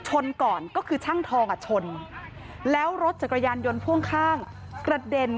ชนก่อนก็คือช่างทองอ่ะชนแล้วรถจักรยานยนต์พ่วงข้างกระเด็น